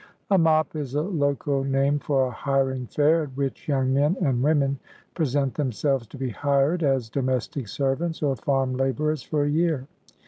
A MOP is a local name for a hiring fair, at which young men and women present themselves to be hired as domestic servants or farm laborers for a year.